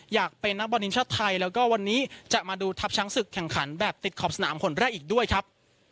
อยากเป็นนักบอลทีมชาติไทยแล้วก็วันนี้จะมาดูทัพช้างศึกแข่งขันแบบติดขอบสนามคนแรกอีกด้วยครับ